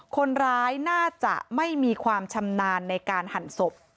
คนร้ายน่าจะไม่มีความชำนาญในการหั่นศพ